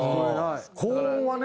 高音はね